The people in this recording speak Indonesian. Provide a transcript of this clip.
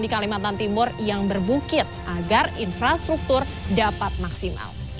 di kalimantan timur yang berbukit agar infrastruktur dapat maksimal